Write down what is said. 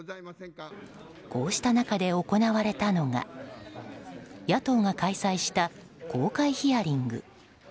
こうした中で行われたのは野党が開催した公開ヒアリング。